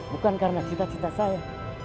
bukan karena cita cita saya